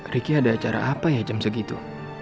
ricky ada acara apa ya jam segitu